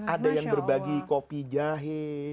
ada yang berbagi kopi jahe